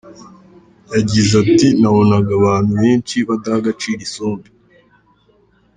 Yagize ati “Nabonaga abantu benshi badaha agaciro isombe.